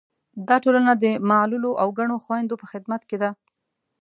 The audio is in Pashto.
دا ټولنه د معلولو او کڼو خویندو په خدمت کې ده.